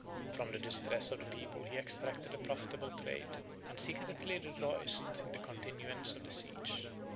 From the distress of the people he extracted a profitable trade, and secretly rejoiced in the continuance of the siege.